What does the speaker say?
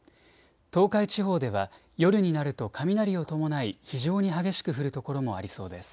東海地方では夜になると雷を伴い非常に激しく降る所もありそうです。